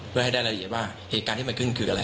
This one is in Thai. เพื่อให้ได้ละเอียดว่าเหตุการณ์ที่มันขึ้นคืออะไร